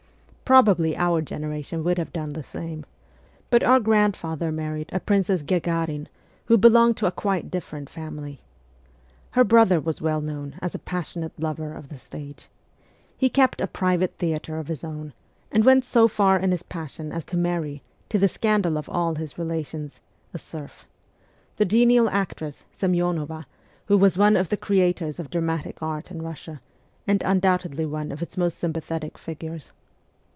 Probably our generation would have done the same ; but our grandfather married a Princess Gagarin, who belonged to a quite different family. Her brother was well known as a passionate lover of the stage. He kept a private theatre of his own, and went so far in his passion as to marry, to the scandal of all his relations, a serf the genial actress Semyonova, who was one of the creators of dramatic art in Russia, and undoubtedly one of its most sympathetic figures.